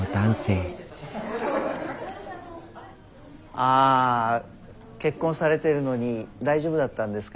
ああ結婚されてるのに大丈夫だったんですか？